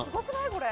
これ。